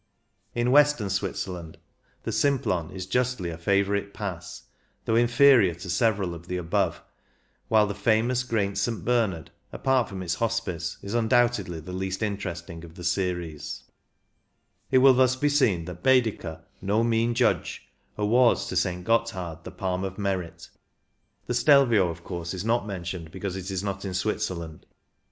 In Western Switzerland the Simplon is justly a favourite Pass, though inferior to several of the above, while the famous great St. Bernard, apart from its hospice, is un doubtedly the least interesting of the series/* It will thus be seen that Baedeker, no mean judge, awards to St. Gotthard the palm of merit. The Stelvio, of course, is not mentioned because it is not in Switzer land.